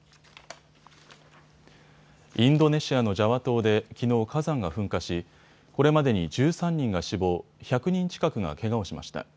インドネシアのジャワ島できのう火山が噴火しこれまでに１３人が死亡、１００人近くがけがをしました。